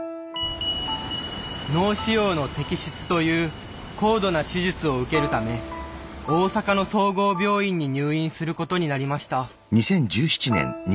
脳腫瘍の摘出という高度な手術を受けるため大阪の総合病院に入院することになりました。